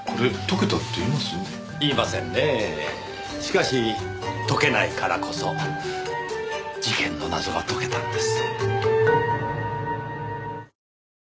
しかし解けないからこそ事件の謎が解けたんです。